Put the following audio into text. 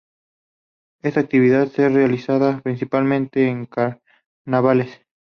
Esta actividad es realizada principalmente en Carnavales.